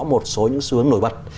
một số những xu hướng nổi bật